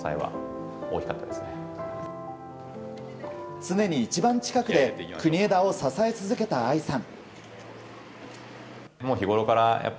常に一番近くで国枝を支え続けた愛さん。